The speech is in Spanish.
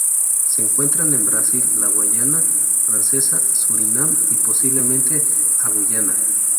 Se encuentra en Brasil, la Guayana Francesa, Surinam y, posiblemente, a Guyana.